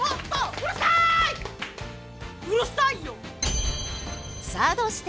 うるさいよ！